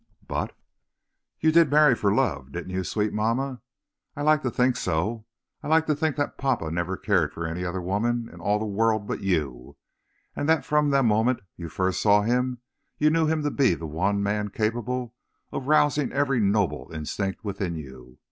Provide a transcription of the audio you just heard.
"But " "You did marry for love, didn't you, sweet mamma? I like to think so. I like to think that papa never cared for any other woman in all the world but you, and that from the moment you first saw him, you knew him to be the one man capable of rousing every noble instinct within you.